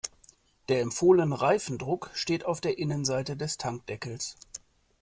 Der empfohlene Reifendruck steht auf der Innenseite des Tankdeckels.